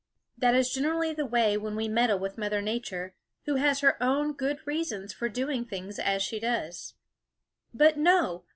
That is generally the way when we meddle with Mother Nature, who has her own good reasons for doing things as she does. "But no!